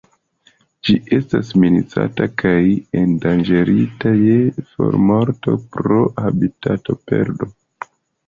Ĝi estas minacata kaj endanĝerita je formorto pro habitatoperdo.